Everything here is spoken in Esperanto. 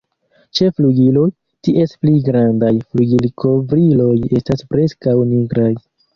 Ĉe flugiloj, ties pli grandaj flugilkovriloj estas preskaŭ nigraj.